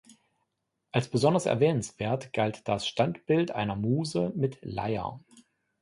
Als besonders erwähnenswert galt das Standbild einer Muse mit Leier.